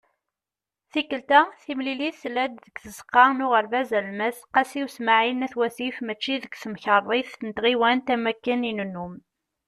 Tikelt-a, timlilit tella-d deg Tzeqqa n Uɣerbaz Alemmas "Qasi Usmaɛil" n At Wasif mačči deg Temkarḍit n Tɣiwant am wakken i nennum.